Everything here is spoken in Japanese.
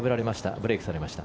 ブレークされました。